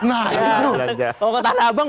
nah itu kalau ke tanah abang